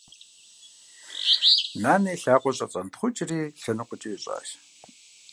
Нанэ и лъакъуэр щӏэцӏэнтхъукӏри лъэныкъуэкӏэ ещӏащ.